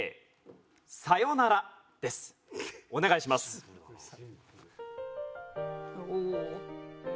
お願いします。